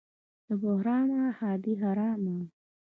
- له بهرامه ښادي حرامه.